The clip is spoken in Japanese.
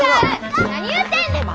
何言うてんねん！